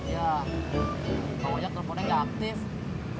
ya kamu masih tetap mau nangkep